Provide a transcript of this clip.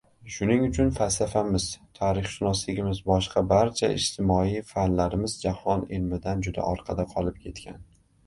Shuning uchun falsafamiz, tarixshunosligimiz boshqa barcha ijtimoiy fanlarimiz jahon ilmidan juda orqada qolib ketgan.